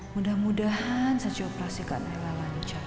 mudah mudahan saya coba operasikan nella lancar